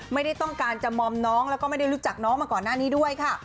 ไม่ได้ต้องการจะมอมน้องแล้วก็ไม่ได้รู้จักน้องมาก่อนหน้านี้ด้วยค่ะ